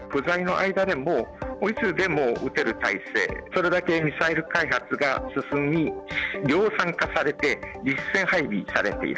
不在の間でも、いつでも撃てる態勢、それだけミサイル開発が進み、量産化されて、実戦配備されている。